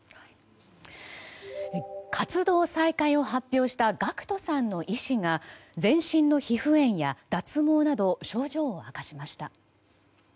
活動再開を発表したＧＡＣＫＴさんの医師が全身の皮膚炎や脱毛など症状を明かしました。